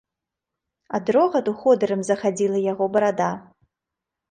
Ад рогату ходырам захадзіла яго барада.